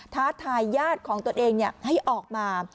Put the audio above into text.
ท้าทายญาติของตัวเองให้ออกมา